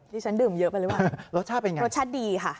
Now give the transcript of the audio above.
นี่ฉันดื่มเยอะไปเลยว่ะรสชาติเป็นยังไงรสชาติดีค่ะ